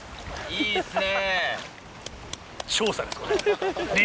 いいですね。